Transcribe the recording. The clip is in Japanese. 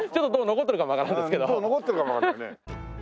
残ってるかもわからないね。